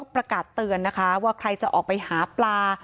ประกาศเตือนนะคะว่าใครจะออกไปหาปลา